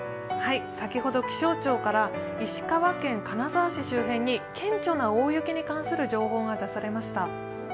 先ほど、気象庁から石川県金沢市周辺に顕著な大雪に関する情報が出されました。